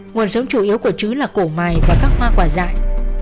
nguồn sống chủ yếu của trứng là cổ mài và các hoa quả dại